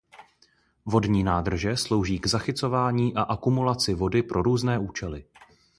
Vodní nádrže slouží k zachycování a akumulaci vody pro různé účely.